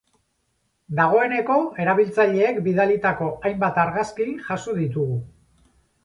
Dagoeneko erabiltzaileek bidalitako hainbat argazki jaso ditugu.